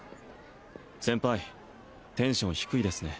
先輩テンション低いですね